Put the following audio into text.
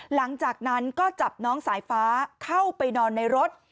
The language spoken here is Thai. หลังจากนั้นก็จับน้องสายฟ้าเข้าไปนอนในรถ